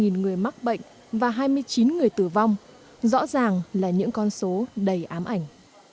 một trăm hai mươi năm người mắc bệnh và hai mươi chín người tử vong rõ ràng là những con số đầy ám ảnh